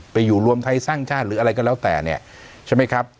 อยู่รวมไทยสร้างชาติหรืออะไรก็แล้วแต่เนี่ยใช่ไหมครับ